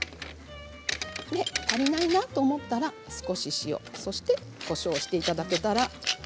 足りないと思ったら塩そして、こしょうをしていただけたら。